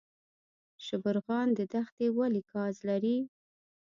شبرغان دښتې ولې ګاز لري؟